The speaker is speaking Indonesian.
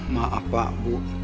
maaf pak bu